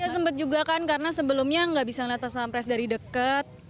sempet juga kan karena sebelumnya nggak bisa melihat pas pampres dari dekat